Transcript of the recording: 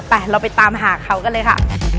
เราไปตามหาเขากันเลยค่ะ